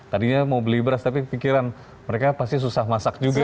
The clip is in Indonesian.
tadinya mau beli beras tapi pikiran mereka pasti susah masak juga